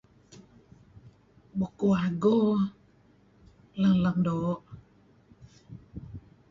Bukuh Ago leng-leng doo'.